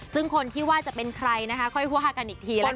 ซึ่งคนที่ว่าจะเป็นใครนะคะค่อยว่ากันอีกทีละกัน